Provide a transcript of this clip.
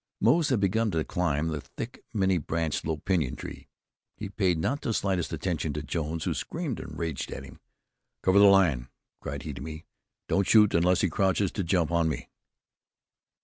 Moze had begun to climb the thick, many branched, low pinyon tree. He paid not the slightest attention to Jones, who screamed and raged at him. "Cover the lion!" cried he to me. "Don't shoot unless he crouches to jump on me."